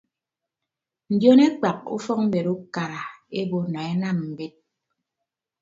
Ndion ekpak ufọkmbet ukara sted ebo nọ enam mbet.